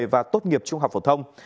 và tốt nghiệp trung học phổ thông